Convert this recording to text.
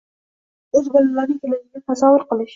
o‘z bolalarining kelajagini tasavvur qilish